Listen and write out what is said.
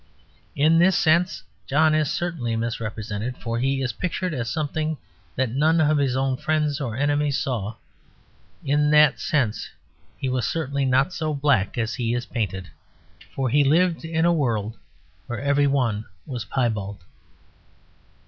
In this sense John is certainly misrepresented, for he is pictured as something that none of his own friends or enemies saw. In that sense he was certainly not so black as he is painted, for he lived in a world where every one was piebald.